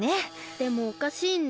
でもおかしいんです。